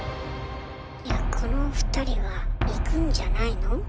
いやこの２人はいくんじゃないの？